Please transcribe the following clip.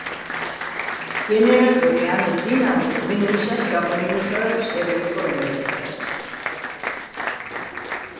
გენერატორი, ანუ დინამო ბრუნვისას გამოიმუშავებს ელექტროენერგიას.